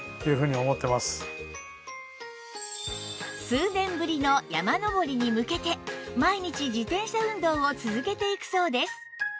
数年ぶりの山登りに向けて毎日自転車運動を続けていくそうです